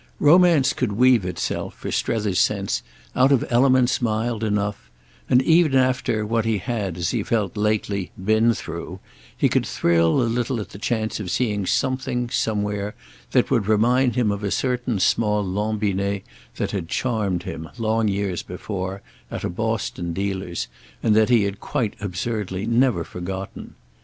Romance could weave itself, for Strether's sense, out of elements mild enough; and even after what he had, as he felt, lately "been through," he could thrill a little at the chance of seeing something somewhere that would remind him of a certain small Lambinet that had charmed him, long years before, at a Boston dealer's and that he had quite absurdly never forgotten.